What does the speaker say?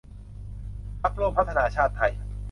พรรคร่วมพัฒนาชาติไทย